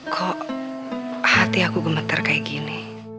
kok hati aku gemeter kayak gini